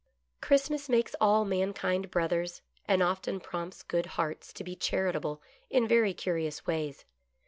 Christmas makes all mankind brothers, and often prompts good hearts to be charitable in very curious ways.